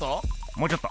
もうちょっと。